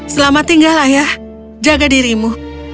selamat tinggal ayah jaga dirimu